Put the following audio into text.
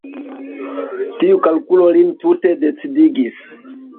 Tiu kalkulo lin tute decidigis.